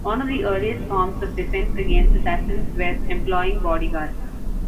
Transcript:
One of the earliest forms of defense against assassins was employing bodyguards.